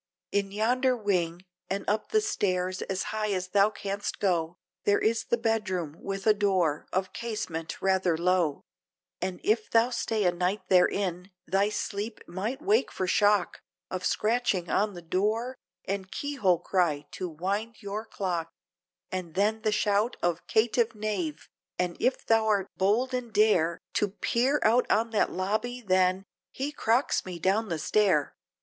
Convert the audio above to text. In yonder wing, and up the stairs as high as thou canst go, There is the bedroom, with a door, of casement rather low, And if thou stay a night therein, thy sleep might wake for shock, Of scratching on the door, and keyhole cry, to wind your clock, And then the shout of "Caitiff knave!" And if thou'rt bold and dare, To peer out on that lobby then, he crocks me down the stair!